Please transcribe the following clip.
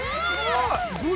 すごい！